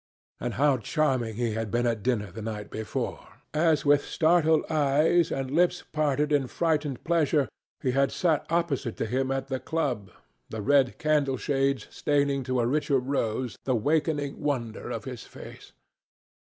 And how charming he had been at dinner the night before, as with startled eyes and lips parted in frightened pleasure he had sat opposite to him at the club, the red candleshades staining to a richer rose the wakening wonder of his face.